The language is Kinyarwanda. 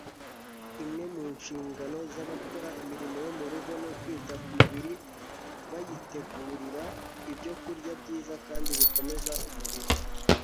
imwe mu nshingano z'abakora imirimo yo mu rugo ni ukwita ku mibiri bayitegurira ibyokurya byiza kandi bikomeza umubiri